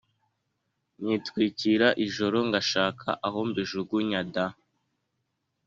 nitwikira ijoro ngashaka aho mbijugunya da”